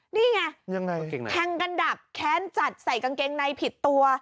นี่ไงแทงกันดับแค้นจัดใส่กางเกงในผิดตัว